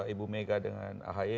ibu mega dengan ahy